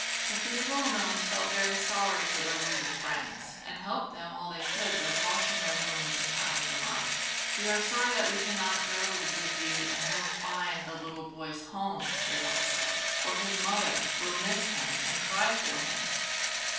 The three little gnomes felt very sorry for their wounded friends and helped them all they could by washing their wounds and tying them up. "We are sorry that we can not go with you and help find the little boy's home," they all said, "For his mother will miss him and cry for him.